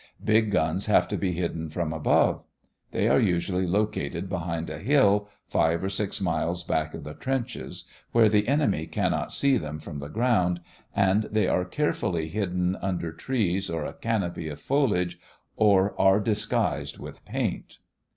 Big guns have to be hidden from above. They are usually located behind a hill, five or six miles back of the trenches, where the enemy cannot see them from the ground, and they are carefully hidden under trees or a canopy of foliage or are disguised with paint.